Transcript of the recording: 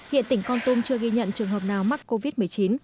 hiện tỉnh con tum chưa ghi nhận trường hợp nào mắc covid một mươi chín